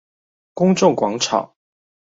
公眾廣場